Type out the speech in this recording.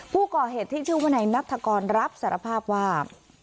ผู้ก่อเหตุที่ชื่อว่านายนัฐกรรับสารภาพว่า